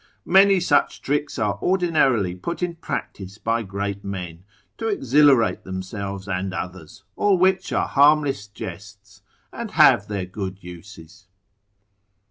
Many such tricks are ordinarily put in practice by great men, to exhilarate themselves and others, all which are harmless jests, and have their good uses.